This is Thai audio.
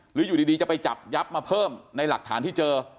อยู่ดีจะไปจับยับมาเพิ่มในหลักฐานที่เจอ